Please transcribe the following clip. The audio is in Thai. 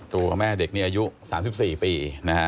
ตัวแม่เด็กนี้อายุ๓๔ปีนะฮะ